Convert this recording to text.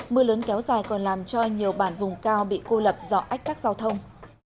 mưa lớn kéo dài còn làm cho nhiều bản vùng cao bị cô lập do ách tắc giao thông